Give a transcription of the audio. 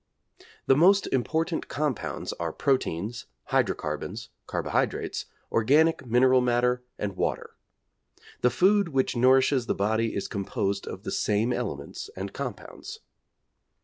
The most important compounds are protein, hydrocarbons, carbohydrates, organic mineral matter, and water. The food which nourishes the body is composed of the same elements and compounds.